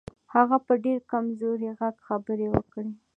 هغه په ډېر کمزوري غږ خبرې وکړې.